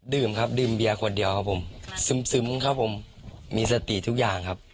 ดื่มครับดื่มเบียร์คนเดียวครับผมซึมครับผมมีสติทุกอย่างครับ